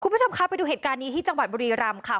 คุณผู้ชมคะไปดูเหตุการณ์นี้ที่จังหวัดบุรีรำค่ะ